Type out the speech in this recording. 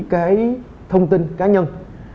cái thông tin cá nhân